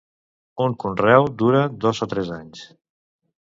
Un conreu dura dos o tres anys.